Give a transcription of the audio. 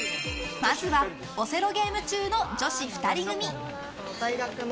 まずはオセロゲーム中の女子２人組。